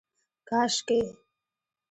کاشکي